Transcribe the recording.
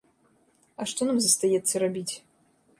А што нам застаецца рабіць?